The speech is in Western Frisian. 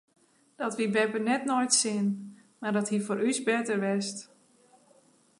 Dat wie beppe net nei it sin mar dat hie foar ús better west.